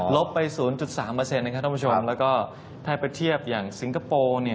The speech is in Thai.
ไป๐๓นะครับท่านผู้ชมแล้วก็ถ้าไปเทียบอย่างสิงคโปร์เนี่ย